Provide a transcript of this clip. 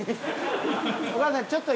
お母さんちょっといい？